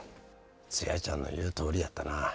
ツヤちゃんの言うとおりやったな。